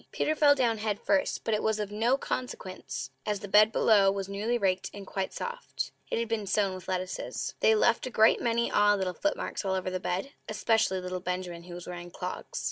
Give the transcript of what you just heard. Peter fell down head first; but it was of no consequence, as the bed below was newly raked and quite soft. It had been sown with lettuces. They left a great many odd little footmarks all over the bed, especially little Benjamin, who was wearing clogs.